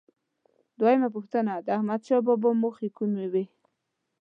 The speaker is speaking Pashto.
دویمه پوښتنه: د احمدشاه بابا موخې کومې وې؟